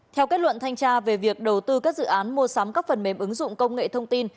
theo kết luận thanh tra về việc đầu tư các dự án mua sắm các phần mềm ứng dụng công nghệ thông tin